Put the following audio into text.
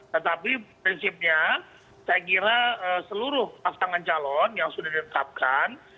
tetapi prinsipnya saya kira seluruh pasangan calon yang sudah ditetapkan